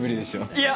いや！